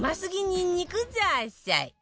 にんにくザーサイ